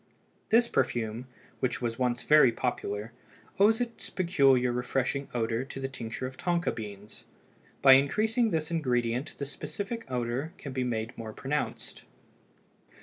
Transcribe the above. This perfume, which was once very popular, owes its peculiar refreshing odor to the tincture of tonka beans; by increasing this ingredient the specific odor can be made more pronounced.